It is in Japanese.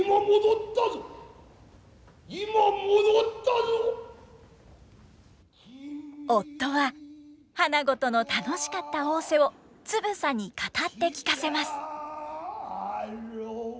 アアアアさて夫は花子との楽しかった逢瀬をつぶさに語って聞かせます。